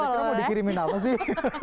kira kira mau dikirimin apa sih